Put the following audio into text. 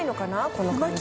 この感じ。